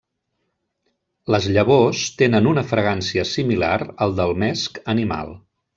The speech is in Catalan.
Les llavors tenen una fragància similar al del mesc animal.